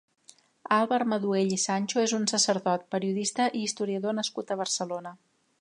Àlvar Maduell i Sancho és un sacerdot, periodista i historiador nascut a Barcelona.